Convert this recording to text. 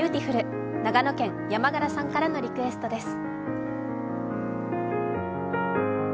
長野県ヤマガラさんからのリクエストです。